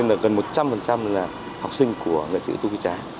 là học sinh của nghệ sĩ ưu tú quý tráng